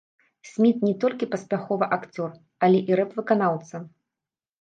Сміт не толькі паспяховы акцёр, але і рэп-выканаўца.